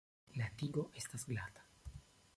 La tigo estas glata.